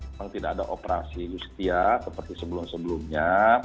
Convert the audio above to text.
memang tidak ada operasi justia seperti sebelum sebelumnya